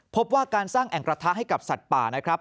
พบว่าการสร้างแอ่งกระทะให้กับสัตว์ป่านะครับ